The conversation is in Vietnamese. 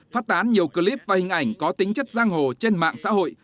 phát tán nhiều clip và hình ảnh có tính chất giang hồ trên mạng xã hội